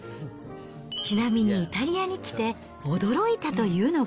ちなみにイタリアに来て驚いたというのが。